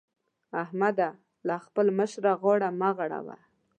احمده! له خپل مشره غاړه مه غړوه.